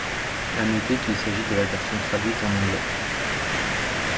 À noter qu'il s'agit de la version traduite en anglais.